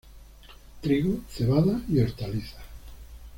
Trigo, cebada y hortalizas.